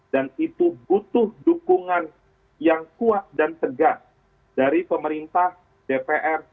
dan itu butuh dukungan yang kuat dan tegas dari pemerintah dpr